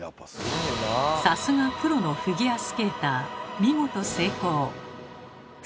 さすがプロのフィギュアスケーター。